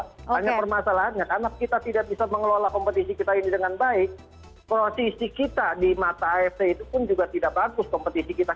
hanya permasalahannya karena kita tidak bisa mengelola kompetisi kita ini dengan baik posisi kita di mata afc itu pun juga tidak bagus kompetisi kita